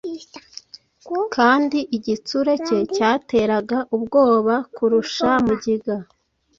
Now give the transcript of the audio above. kandi igitsure cye cyateraga ubwoba kurusha mugiga.